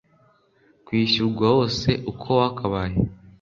kwishyurwa wose uko wakabaye